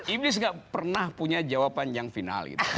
iblis gak pernah punya jawaban yang final gitu